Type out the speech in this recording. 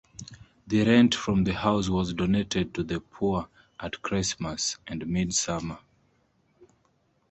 The rent from the house was donated to the poor at Christmas and midsummer.